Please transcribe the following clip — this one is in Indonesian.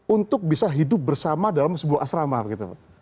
untuk bisa hidup bersama dalam sebuah asrama begitu pak